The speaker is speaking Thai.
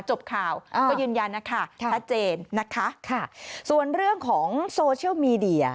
จบข่าวก็ยืนยันนะคะชัดเจนนะคะค่ะส่วนเรื่องของโซเชียลมีเดีย